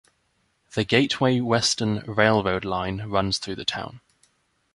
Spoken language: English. The Gateway Western Railroad line runs through the town.